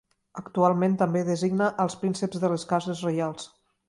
Actualment també designa als prínceps de les cases reials.